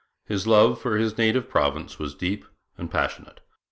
His love for his native province was deep and passionate.